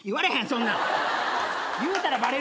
そんなん。